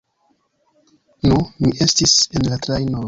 Nu, mi estis en la trajno...